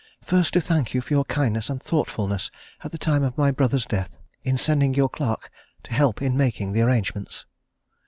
"First, to thank you for your kindness and thoughtfulness at the time of my brother's death, in sending your clerk to help in making the arrangements."